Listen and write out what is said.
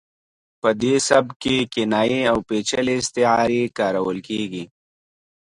په دې سبک کې کنایې او پیچلې استعارې کارول کیږي